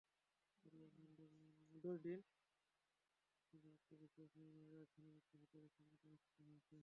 পরিবেশবান্ধব নির্মাণসামগ্রী ব্যবহারের গুরুত্ব বিষয়ে সেমিনার রাজধানীর একটি হোটেলে সম্প্রতি অনুষ্ঠিত হয়েছে।